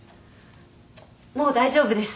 もう大丈夫です。